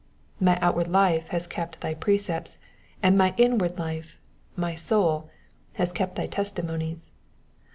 '*'' My outward life has kept thy Erecepts, and my inward hfe — my soul, has kept thy testimonies.